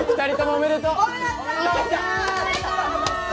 おめでとう！